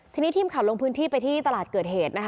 ที่นี่ทีมขับลงพื้นที่ไปที่ตลาดเกิดเหตุ